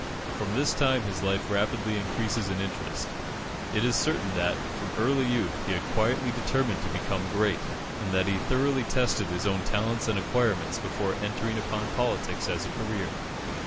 From this time his life rapidly increases in interest. It is certain that, from early youth, he had quietly determined to become great, and that he thoroughly tested his own talents and acquirements before entering upon politics as a career.